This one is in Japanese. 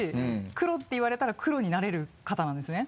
「黒」って言われたら黒になれる方なんですね。